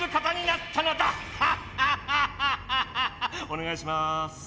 おねがいします。